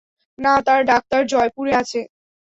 না, তার ডাক্তার জয়পুরে আছে।